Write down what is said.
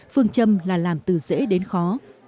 phương châm là làm từ dễ đến khó